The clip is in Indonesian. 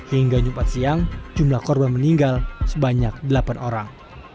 hingga jumat siang jumlah korban meninggal sebanyak delapan orang